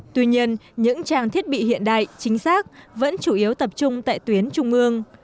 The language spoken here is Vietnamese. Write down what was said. tuy nhiên những trang thiết bị hiện đại chính xác vẫn chủ yếu tập trung tại tuyến trung ương